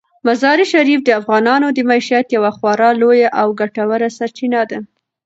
مزارشریف د افغانانو د معیشت یوه خورا لویه او ګټوره سرچینه ده.